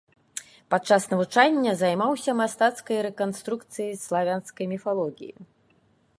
Падчас навучання займаўся мастацкай рэканструкцыяй славянскай міфалогіі.